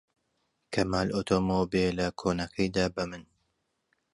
کەمال ئۆتۆمبێلە کۆنەکەی دا بە من.